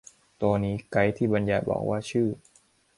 ตัวนี้ไกด์ที่บรรยายบอกว่าชื่อ